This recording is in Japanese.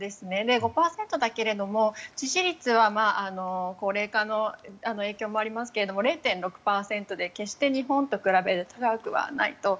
５％だけれども致死率は高齢化の影響もありますが０．６％で決して日本と比べると高くはないと。